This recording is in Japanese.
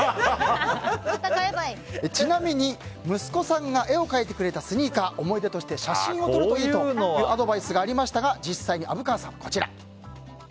ちなみに息子さんが絵を描いてくれたスニーカー思い出として写真を撮るというアドバイスがありましたが実際に虻川さん、こちら。